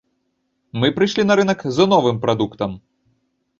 Мы прыйшлі на рынак з новым прадуктам.